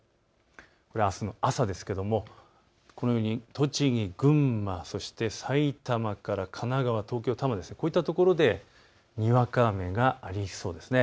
これはあすの朝ですがこのように栃木、群馬、そして埼玉から神奈川、東京多摩こういったところでにわか雨がありそうです。